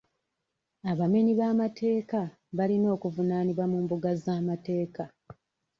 Abamenyi b'amateeka balina okuvunaanibwa mu mbuga z'amateeka.